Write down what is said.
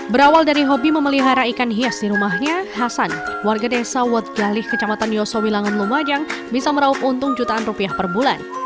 berawal dari hobi memelihara ikan hias di rumahnya hasan warga desa wodgalih kecamatan yosowilangan lumajang bisa meraup untung jutaan rupiah per bulan